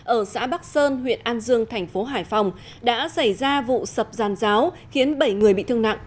ở xã bắc sơn huyện an dương thành phố hải phòng đã xảy ra vụ sập giàn giáo khiến bảy người bị thương nặng